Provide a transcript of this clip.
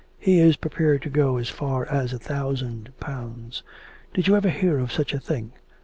He is prepared to go as far as a thousand pounds. Did you ever hear of such a thing?